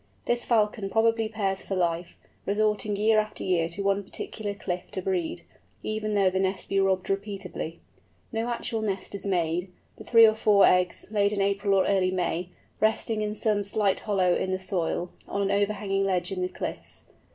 This Falcon probably pairs for life, resorting year after year to one particular cliff to breed, even though the nest be robbed repeatedly. No actual nest is made, the three or four eggs, laid in April or early May, resting in some slight hollow in the soil, on an overhanging ledge in the cliffs.